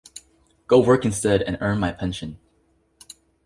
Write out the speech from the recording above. Go work instead and earn my pension!